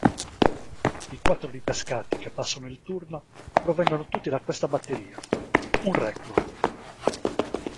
I quattro ripescati che passano il turno provengono tutti da questa batteria: un record.